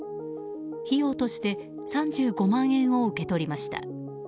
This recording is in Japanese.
費用として３５万円を受け取りました。